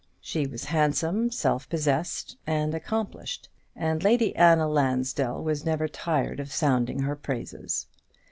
She was handsome, self possessed, and accomplished; and Lady Anna Lansdell was never tired of sounding her praises.